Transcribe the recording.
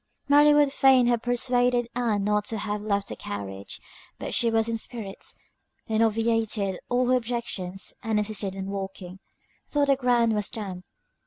Mary would fain have persuaded Ann not to have left the carriage; but she was in spirits, and obviated all her objections, and insisted on walking, tho' the ground was damp.